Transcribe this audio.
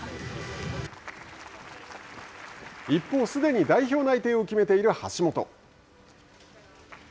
一方、すでに代表内定を決めている橋本。